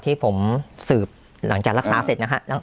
ที่ผมสืบหลังจากรักษาเสร็จนะครับ